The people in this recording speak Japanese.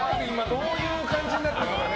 どういう感じになってるかね。